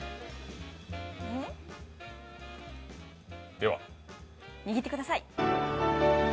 では握ってください。